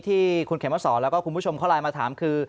ที่คุณเขมสอนแล้วก็คุณผู้ชมเขาไลน์มาถามคือ